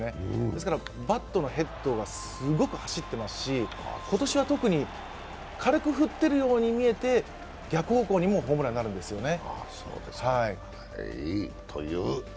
だからバットのヘッドがすごく走ってますし、今年は特に軽く振ってるように見えて逆方向にもホームランになるんですよね。